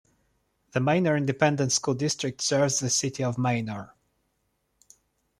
The Manor Independent School District serves the City of Manor.